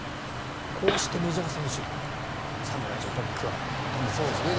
こうしてメジャー選手が侍ジャパンに加わったということですね。